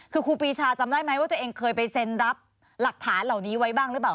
คือครูปีชาจำได้ไหมว่าตัวเองเคยไปเซ็นรับหลักฐานเหล่านี้ไว้บ้างหรือเปล่า